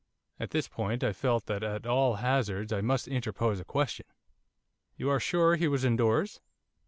At this point I felt that at all hazards I must interpose a question. 'You are sure he was indoors?